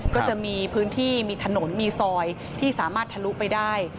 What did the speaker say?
ก็จะมีพื้นที่มีถนนมีซอยที่สามารถทะลุไปได้